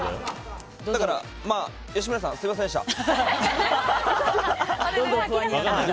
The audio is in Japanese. だから吉村さんすみませんでした。